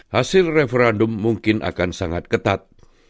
hasil referadum mungkin akan sangat ketat